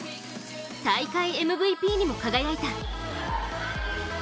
大会ＭＶＰにも輝いた。